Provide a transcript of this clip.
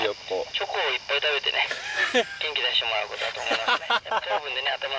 チョコをいっぱい食べてね、元気出してもらうことだと思いますね。